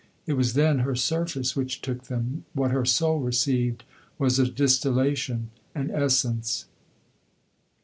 It was, then, her surface which took them; what her soul received was a distillation, an essence.